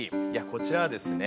こちらはですね